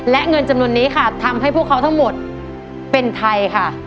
และเงินจำนวนนี้ค่ะทำให้พวกเขาทั้งหมดเป็นไทยค่ะ